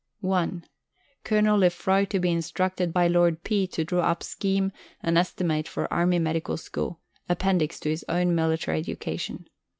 (1) Col. Lefroy to be instructed by Lord P. to draw up scheme and estimate for Army Medical School, appendix to his own Military Education.